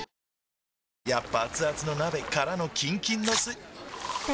やっぱアツアツの鍋からのキンキンのスん？